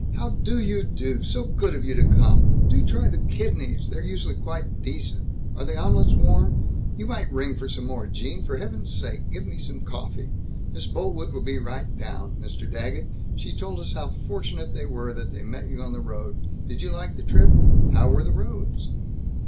how do you do, so good of you to come, do try the kidneys, they're usually quite decent, are the omelets warm, you might ring for some more, Gene, for heaven's sake give me some coffee, Miss Boltwood will be right down, Mr. Daggett, she told us how fortunate they were that they met you on the road, did you like the trip, how were the roads?"